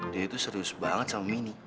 dia itu serius banget sama mini